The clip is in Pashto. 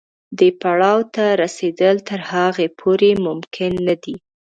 دې پړاو ته رسېدل تر هغې پورې ممکن نه دي.